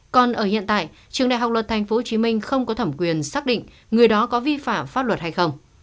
còn ở hiện tại trường đại học luật tp hcm không có thẩm quyền xác định người đó có vi phạm pháp luật hay không